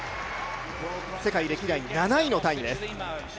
世界歴代７位のタイムです。